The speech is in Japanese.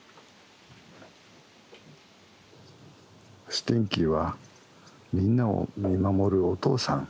スティンキーはみんなを見守るお父さん。